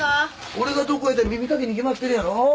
俺がどこやて耳かきに決まってるやろ。